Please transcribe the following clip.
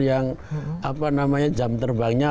yang apa namanya jam terbangnya